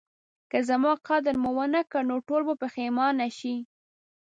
که زما قدر مو ونکړ نو ټول به پخیمانه شئ